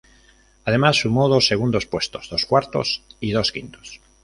Además, sumó dos segundos puestos, dos cuartos y dos quintos.